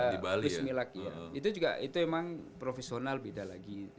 di bismillah itu juga itu emang profesional beda lagi